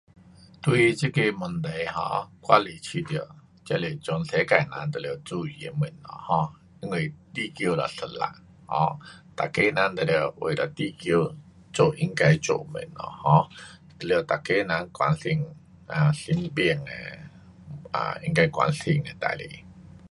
对这个问题 um 我是觉得这是全世界人都要注意的东西，um 因为地球只一粒 um 每个人都得为了地球做应该做的东西 um 了每个人关心 um 身边的 um 应该关心的事情。